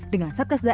dengan satgas sekolah